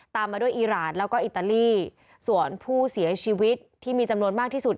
มาด้วยอีรานแล้วก็อิตาลีส่วนผู้เสียชีวิตที่มีจำนวนมากที่สุด